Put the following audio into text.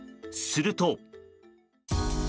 すると。